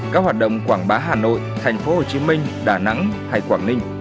các hoạt động quảng bá hà nội thành phố hồ chí minh đà nẵng hay quảng ninh